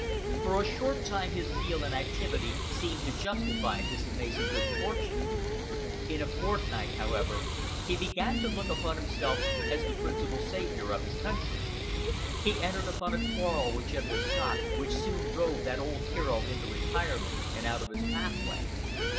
For a short time his zeal and activity seemed to justify this amazing good fortune. In a fortnight however he began to look upon himself as the principal savior of his country. He entered upon a quarrel with General Scott which soon drove that old hero into retirement and out of his pathway.